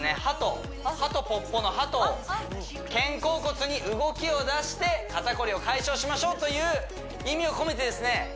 ハトハトぽっぽのハト肩甲骨に動きを出して肩こりを解消しましょうという意味を込めてですね